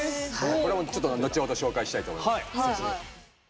これもちょっと後ほど紹介したいと思います。